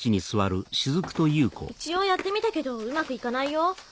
一応やってみたけどうまく行かないよ。